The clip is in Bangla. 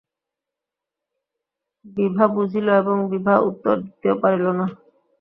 বিভা বুঝিল এবং বিভা উত্তর দিতেও পারিল না।